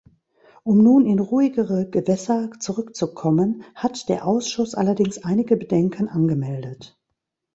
Um nun in ruhigere Gewässer zurückzukommen, hat der Ausschuss allerdings einige Bedenken angemeldet.